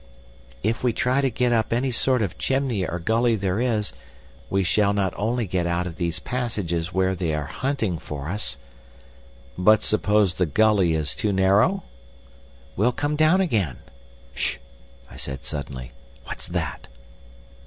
If we try to get up any sort of chimney or gully there is, we shall not only get out of these passages where they are hunting for us—" "But suppose the gully is too narrow?" "We'll come down again." "Ssh!" I said suddenly; "what's that?"